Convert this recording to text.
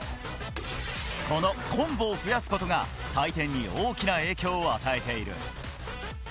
このコンボを増やすことが採点に大きな影響を与えている。